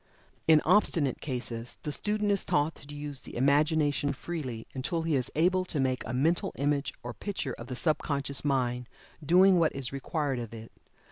In obstinate cases, the student is taught to use the Imagination freely, until he is able to make a mental image or picture of the sub conscious mind doing what is required of it.